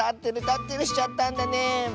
たってるしちゃったんだねえ。